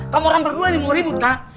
kamu orang berdua nih mau ribut kan